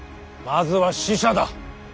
まずは使者だ。